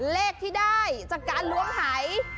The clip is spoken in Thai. เลขที่ได้จากการล้วงหาย